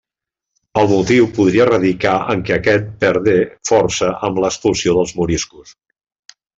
El motiu podria radicar en què aquest perdé força amb l'expulsió dels moriscos.